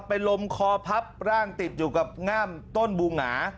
เป็นลมคอพับร่างติดอยู่กับง่ามต้นบูหงา